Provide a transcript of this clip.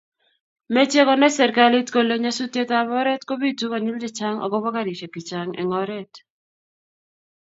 meche konay serikalit kole nyasusietab oret kobiitu konyil chechang agoba karishek chechang eng oret